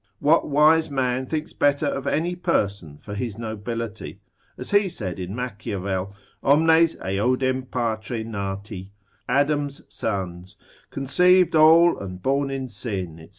What wise man thinks better of any person for his nobility? as he said in Machiavel, omnes eodem patre nati, Adam's sons, conceived all and born in sin, &c.